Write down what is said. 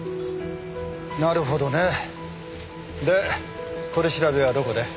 なるほどね。で取り調べはどこで？